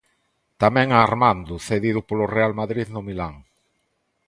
Tamén a Armando cedido polo Real Madrid no Milán.